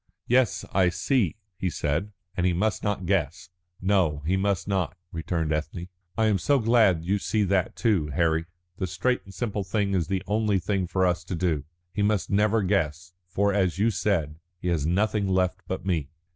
"Yes, I see," he said. "And he must not guess." "No, he must not," returned Ethne. "I am so glad you see that too, Harry. The straight and simple thing is the only thing for us to do. He must never guess, for, as you said, he has nothing left but me."